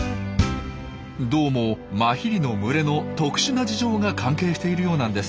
どうもマヒリの群れの特殊な事情が関係しているようなんです。